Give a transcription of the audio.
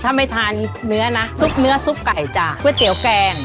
ถ้าไม่ทานเนื้อนะซุปเนื้อซุปไก่จ้ะก๋วยเตี๋ยวแกง